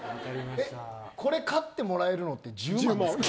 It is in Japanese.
これ勝ってもらえるのって１０万円ですか？